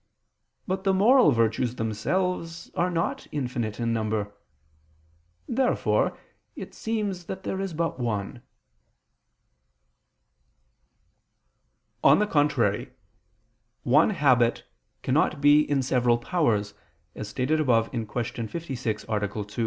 But the moral virtues themselves are not infinite in number. Therefore it seems that there is but one. On the contrary, One habit cannot be in several powers, as stated above (Q. 56, A. 2).